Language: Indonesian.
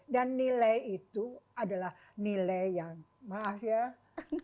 dan nilai itu adalah nilai yang maaf ya terbaik maaf ya mas